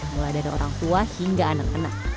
mulai dari orang tua hingga anak anak